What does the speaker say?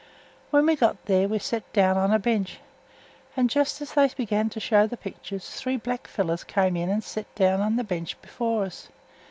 When we got there we set down on a bench, and, just as they began to show th' pictures, three black fellows came in and set down on th' bench before us.